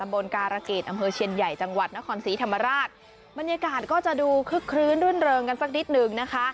บรรยากาศก็จะดูคลึกคลื้นเริ่มเริ่มกันสักนิดหนึ่งนะคะ